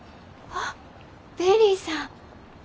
あっベリーさん。